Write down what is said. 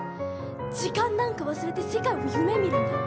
時間なんか忘れて世界を夢見るんだ。